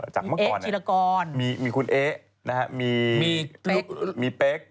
จากเมื่อก่อนนี้มีคุณเอ๊ะนะครับมีเป๊กเอ๊ะฮิลลากร